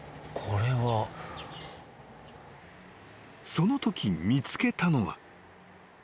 ［そのとき見つけたのは］